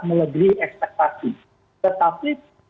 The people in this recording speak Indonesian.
melebihi ekspektasi tetapi